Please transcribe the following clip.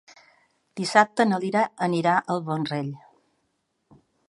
Dissabte na Lia irà al Vendrell.